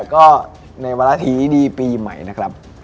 ก็ในวาระถีดีปีใหม่นะครับ